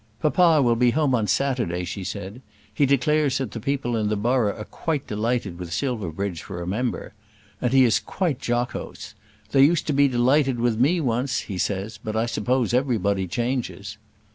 "Papa will be home on Saturday," she said. "He declares that the people in the borough are quite delighted with Silverbridge for a member. And he is quite jocose. 'They used to be delighted with me once,' he says, 'but I suppose everybody changes.'"